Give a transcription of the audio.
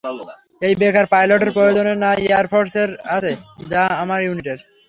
এই বেকার পাইলটের প্রয়োজন না এয়ারফোর্স এর আছে, না আমার ইউনিটের।